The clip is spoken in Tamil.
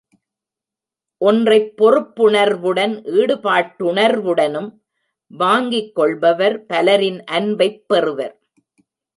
ஒன்றைப் பொறுப்புணர்வுடன் ஈடுபாட்டுணர்வுடனும் வாங்கிக் கொள்பவர் பலரின் அன்பைப் பெறுவர்.